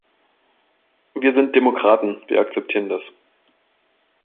Wir sind Demokraten, wir akzeptieren das.